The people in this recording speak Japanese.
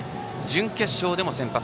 準決勝でも先発。